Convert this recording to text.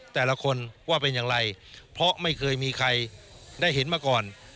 แต่ละคนว่าเป็นอย่างไรเพราะไม่เคยมีใครได้เห็นมาก่อน